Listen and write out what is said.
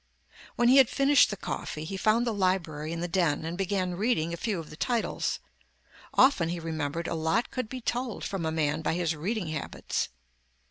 When he had finished the coffee, he found the library in the den and began reading a few of the titles; often, he remembered, a lot could be told from a man by his reading habits.